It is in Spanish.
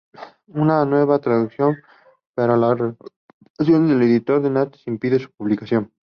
Una nueva traducción, pero la Revocación del edicto de Nantes impide su publicación.